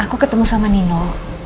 aku ketemu sama nino